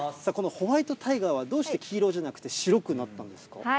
このホワイトタイガーは、どうして黄色じゃなくて白くなったんですか。